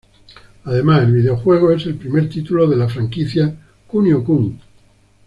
Además el videojuego es el primer título de la franquicia "Kunio-kun".